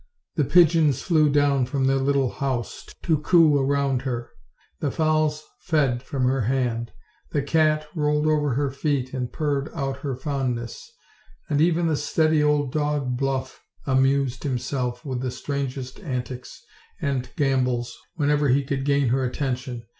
The pigeons flew down from their little house to coo round her; the fowls fed from her hand; the cat rolled over her feet and purred out her fondness; and even the steady old dog Bluff amused himself with the strangest antics and gambols whenever he could gain her atten tion.